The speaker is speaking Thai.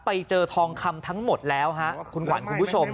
ไปเจอทองคำทั้งหมดแล้วฮะคุณขวัญคุณผู้ชม